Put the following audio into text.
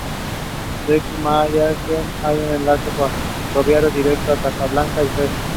Desde Marrakech hay un enlace ferroviario directo a Casablanca y Fez.